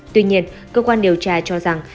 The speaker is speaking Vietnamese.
tuy nhiên cơ quan điều tra cho rằng